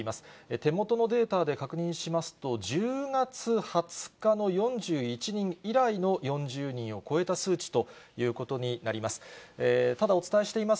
手元のデータで確認しますと、１０月２０日の４１人以来の、４０人を超えた数値ということになります。